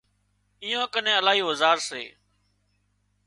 ايئان ڪنين الاهي اوزار سي